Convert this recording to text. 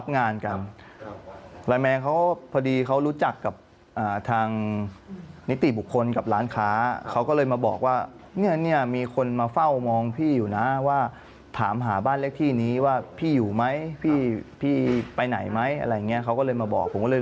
อันนี้เขาสันนิษฐานลองฟังเจ้าตัวครับ